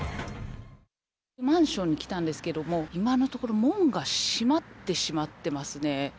マンションに来たんですけれども、今のところ、門が閉まってしまってますね。